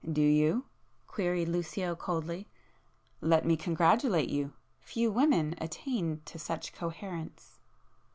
"Do you?" queried Lucio coldly—"Let me congratulate you! Few women attain to such coherence!"